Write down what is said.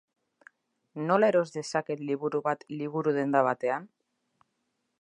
Nola eros dezaket liburu bat liburudenda batean?